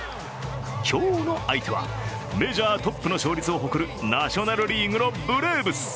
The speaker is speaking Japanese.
今日の相手はメジャートップの勝率を誇るナショナル・リーグのブレーブス。